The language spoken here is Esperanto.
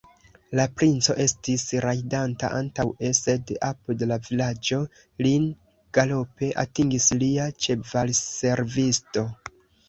La princo estis rajdanta antaŭe, sed apud la vilaĝo lin galope atingis lia ĉevalservisto.